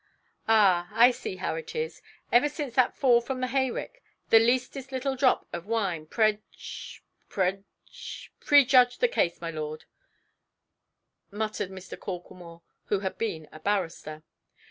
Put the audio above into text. "Ah, I see how it is. Ever since that fall from the hayrick, the leastest little drop of wine, prej—prej——" "Prejudge the case, my lord", muttered Mr. Corklemore, who had been a barrister.